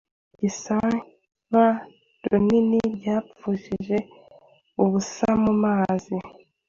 Isiganwa-rinini ryapfushije ubusamumazi